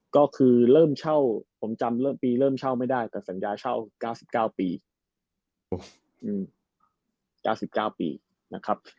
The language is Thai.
ก็คือเริ่มเช่าผมจำปีเริ่มเช่าไม่ได้กับสัญญาเช่า๙๙ปี๙๙ปีนะครับ